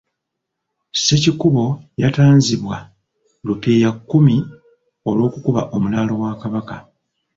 Ssekiboobo yatanzibwa Rupia kkumi olw'okukuba omulaalo wa Kabaka.